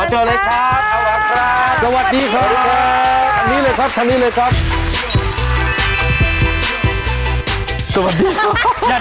อาจารย์เลยครับสวัสดีครับ